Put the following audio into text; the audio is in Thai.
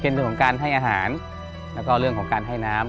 เป็นเรื่องของการให้อาหารแล้วก็เรื่องของการให้น้ำ